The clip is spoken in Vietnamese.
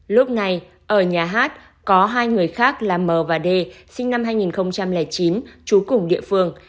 lúc này ở nhà hát có hai người khác là m và d sinh năm hai nghìn chín trú cùng địa phương